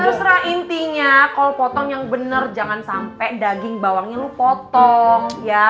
terserah intinya kalo potong yang bener jangan sampe daging bawangnya lu potong ya